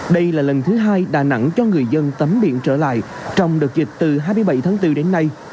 đây là lần thứ hai đà nẵng cho người dân tắm biển trở lại trong đợt dịch từ hai mươi bảy tháng bốn đến nay